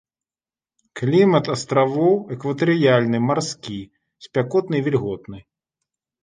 Клімат астравоў экватарыяльны марскі, спякотны і вільготны.